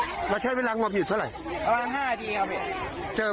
ครับแล้วใช้เวลางบหยุดเท่าไรประมาณห้านิดครับเจอไหม